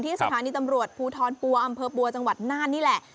สถานีตำรวจภูทรปัวอำเภอปัวจังหวัดน่านนี่แหละ